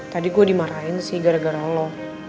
tadi gue dimarahin sih gara gara allah